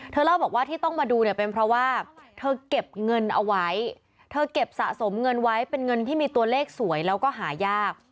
เล่าบอกว่าที่ต้องมาดูเนี่ยเป็นเพราะว่าเธอเก็บเงินเอาไว้เธอเก็บสะสมเงินไว้เป็นเงินที่มีตัวเลขสวยแล้วก็หายาก